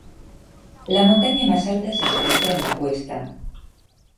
La montaña más alta se encuentra en La Cuesta.